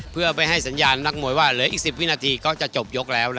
เพื่อไปให้สัญญาณนักมวยว่าเหลืออีก๑๐วินาทีก็จะจบยกแล้ว